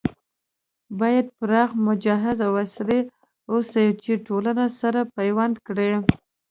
بايد پراخ، مجهز او عصري اوسي چې ټولنه سره پيوند کړي